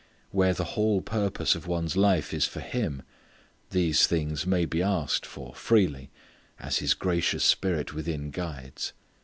Where the whole purpose of one's life is for Him these things may be asked for freely as His gracious Spirit within guides.